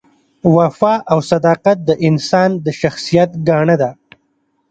وفا او صداقت د انسان د شخصیت ګاڼه ده.